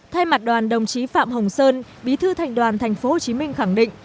thay mặt đoàn đồng chí phạm hồng sơn bí thư thành đoàn tp hcm khẳng định